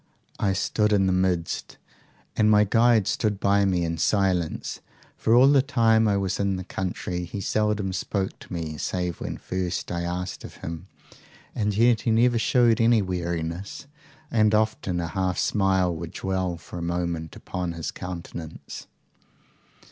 "'I stood in the midst, and my guide stood by me in silence; for all the time I was in the country, he seldom spoke to me save when first I asked of him, and yet he never showed any weariness, and often a half smile would dwell for a moment upon his countenance.